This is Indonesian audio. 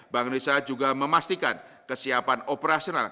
bank indonesia juga memastikan kesiapan operasional